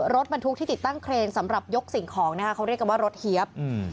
รถบรรทุกที่ติดตั้งเครนสำหรับยกสิ่งของนะคะเขาเรียกกันว่ารถเฮียบอืม